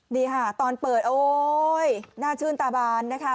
นี่ค่ะตอนเปิดโอ๊ยน่าชื่นตาบานนะคะ